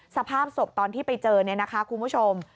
สภาพศพตอนที่ไปเจอคุณผู้ชม